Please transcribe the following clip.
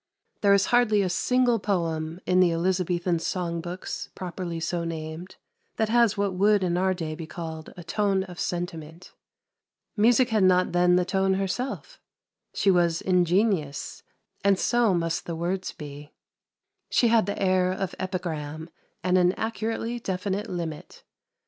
There is hardly a single poem in the Elizabethan Song books, properly so named, that has what would in our day be called a tone of sentiment. Music had not then the tone herself; she was ingenious, and so must the words be. She had the air of epigram, and an accurately definite limit.